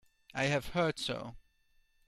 I have heard so.